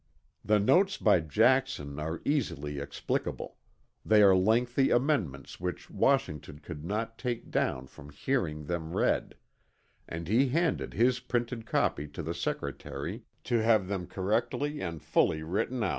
The notes by Jackson are easily explicable; they are lengthy amendments which Washington could not take down from hearing them read; and he handed his printed copy to the Secretary to have them correctly and fully written out.